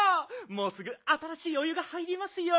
もうすぐあたらしいお湯が入りますよ！